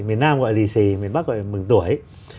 miền nam gọi lì xì miền bắc gọi là mừng tuổi